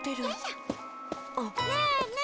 ねえねえ